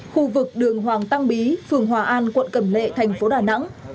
khu vực đường hoàng tăng bí phường hòa an quận cẩm lệ thành phố đà nẵng